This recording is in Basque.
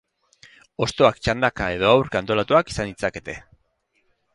Hostoak txandaka edo aurka antolatuak izan ditzakete.